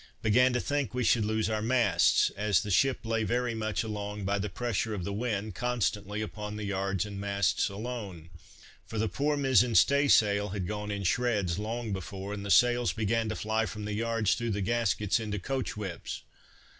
Began to think we should lose our masts, as the ship lay very much along, by the pressure of the wind constantly upon the yards and masts alone: for the poor mizen stay sail had gone in shreds long before, and the sails began to fly from the yards through the gaskets into coach whips.